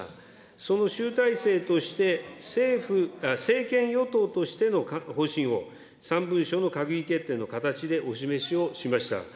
その集大成として、政府、政権与党としての各方針を３文書の閣議決定の形でお示しをしました。